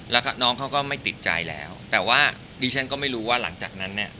แล้วน้องเขาก็ไม่ติดใจแล้วแต่ว่าดิฉันก็ไม่รู้ว่าหลังจากนั้นเนี่ย